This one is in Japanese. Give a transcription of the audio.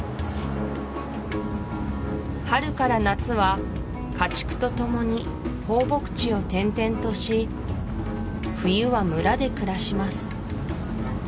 春から夏は家畜と共に放牧地を転々とし冬は村で暮らします